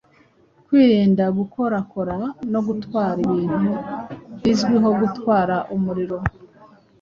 kwirinda gukorakora no gutwara ibintu bizwiho gutwara umuriro